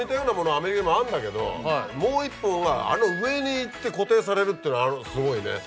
アメリカにもあんだけどもう１本があの上にいって固定されるってのがすごいね。